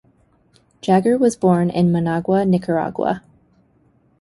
Jagger was born in Managua, Nicaragua.